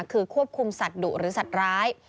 คือควบคุมสัตว์ดุหรือสัตว์ร้าย